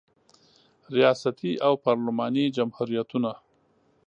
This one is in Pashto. ریاستي او پارلماني جمهوریتونه